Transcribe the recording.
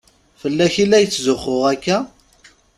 Fell-ak i la tetzuxxu akka?